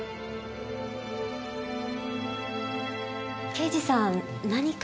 刑事さん何か？